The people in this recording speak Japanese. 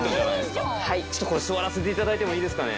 これ座らせていただいてもいいですかね？